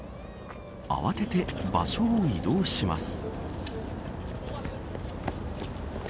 慌てて場所を移動します。